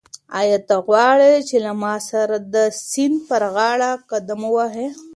آیا ته غواړې چې له ما سره د سیند پر غاړه قدم ووهې؟